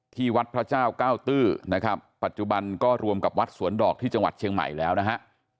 ที่วัดพระเจ้าเก้าตื้อนะครับปัจจุบันก็รวมกับวัดสวนดอกที่จังหวัดเชียงใหม่แล้วนะฮะ